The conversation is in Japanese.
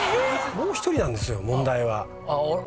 もう１人なんですよ問題は。